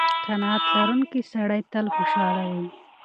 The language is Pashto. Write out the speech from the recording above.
قناعت لرونکی سړی تل خوشحاله وي.